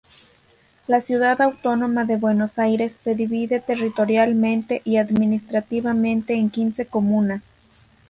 La Ciudad autónoma de Buenos Aires se divide territorialmente y administrativamente en quince comunas.